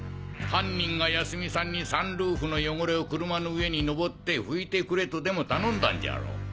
犯人が泰美さんにサンルーフの汚れを車の上にのぼって拭いてくれとでも頼んだんじゃろう。